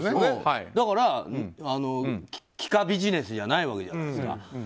だから、帰化ビジネスじゃないわけじゃないですか。